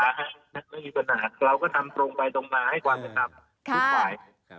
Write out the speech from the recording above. เราก็ทำตรงไปตรงมาให้ความทำตรงไหว